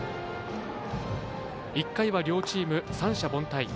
１回は両チーム三者凡退。